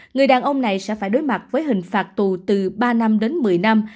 người đàn ông này sẽ phải đối mặt với hình phạt tù từ ba năm đến một mươi năm